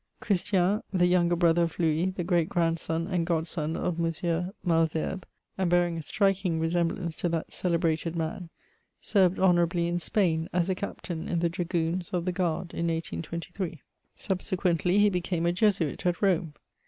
Christian, the younger brother of Louis, the great grandson and godson of M. Malesherbes (imd bearing a striking resemblance to that celebrated man), served honourably in Spain, as a captain in the dragoons of the guard, in 1823. Subsequently, he became 44 MEMOIRS OP a Jesuit at Rome.